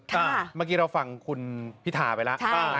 เมื่อกี้เราฟังคุณพิธาไปแล้ว